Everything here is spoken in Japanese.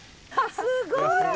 すごい。